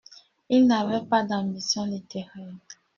Il n'avait pas d'ambitions littéraires.